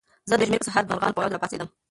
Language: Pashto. زه د جمعې په سهار د مرغانو په غږ راپاڅېدم.